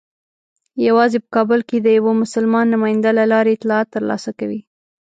یوازې په کابل کې د یوه مسلمان نماینده له لارې اطلاعات ترلاسه کوي.